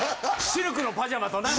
シルクのパジャマとな。